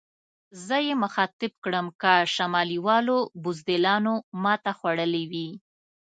زه یې مخاطب کړم: که شمالي والو بزدلانو ماته خوړلې وي.